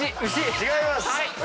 違います。